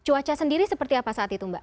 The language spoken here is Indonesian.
cuaca sendiri seperti apa saat itu mbak